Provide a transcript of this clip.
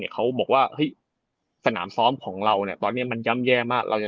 เขาบอกว่าสนามซ้อมของเราตอนนี้มันย่ำแย่มาก